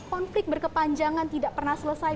konflik berkepanjangan tidak pernah selesai